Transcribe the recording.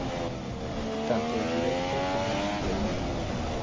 Tanto en directo como en diferido.